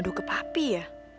aduh kepapi ya